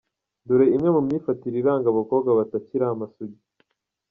Doreimwe mu myifatire iranga abakobwa batakiri amasugi.